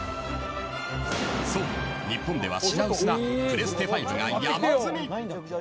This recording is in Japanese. そう、日本では品薄なプレステ５が山積み。